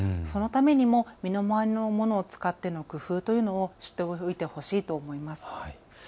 そのためにも身の回りのものを使っての工夫も知っておいてほしいと思います。